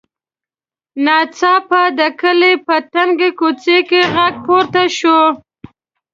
ناڅاپه د کلي په تنګه کوڅه کې غږ پورته شو.